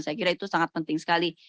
saya kira itu sangat penting sekali